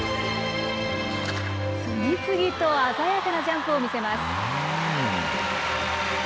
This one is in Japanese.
次々と鮮やかなジャンプを見せます。